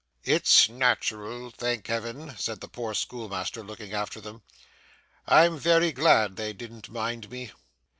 'It's natural, thank Heaven!' said the poor schoolmaster, looking after them. 'I'm very glad they didn't mind me!